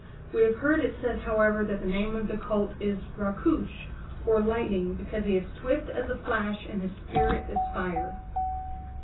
We have heard it said however that the name of the colt is Ra' kush or Lightning because he is swift as a flash and his spirit is fire.